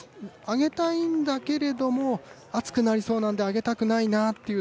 上げたいんだけど、暑くなりそうなので、上げたくないんだと。